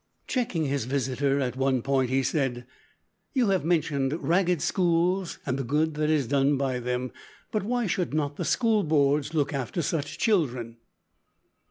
Checking his visitor at one point, he said, "You have mentioned ragged schools and the good that is done by them, but why should not the school boards look after such children?"